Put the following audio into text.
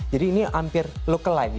jadi ini hampir lookalike